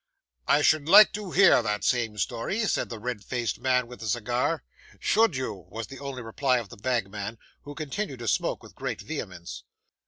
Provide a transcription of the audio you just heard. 'I should like to hear that same story,' said the red faced man with the cigar. 'Should you?' was the only reply of the bagman, who continued to smoke with great vehemence.